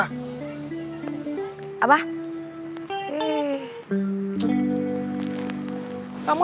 neng nanti aku mau